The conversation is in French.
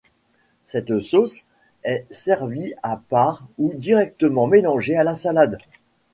Cette sauce est servie à part ou directement mélangée à la salade.